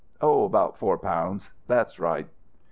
Oh, about four pounds. That's right."